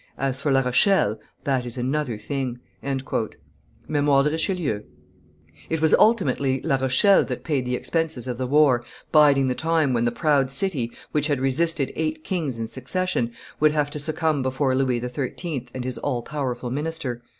As for La Rochelle, that is another thing." [Memoires de Richelieu, t. iii.] It was ultimately La Rochelle that paid the expenses of the war, biding the time when the proud city, which had resisted eight kings in succession, would have to succumb before Louis XIII. and his all powerful minister.